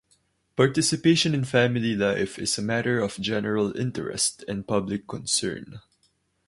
Participation in family life is a matter of general interest and public concern.